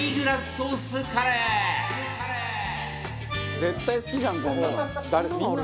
絶対好きじゃんこんなの。